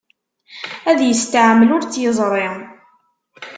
Ad yesteɛmel ur tt-yeẓri.